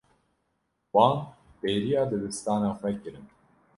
Wan bêriya dibistana xwe kirin.